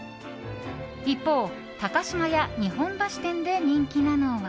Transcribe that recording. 一方、高島屋日本橋店で人気なのは。